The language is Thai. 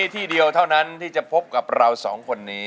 ที่เดียวเท่านั้นที่จะพบกับเราสองคนนี้